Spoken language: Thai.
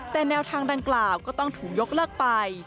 แต่แนวทางดังกล่าวก็ต้องถูกยกเลิกไป